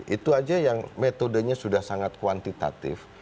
itu aja yang metodenya sudah sangat kuantitatif